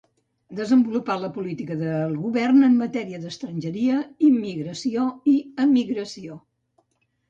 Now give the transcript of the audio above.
Desenvolupar la política del Govern en matèria d'estrangeria, immigració i emigració.